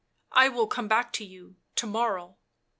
" I will come back to you — to morrow